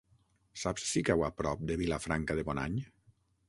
Saps si cau a prop de Vilafranca de Bonany?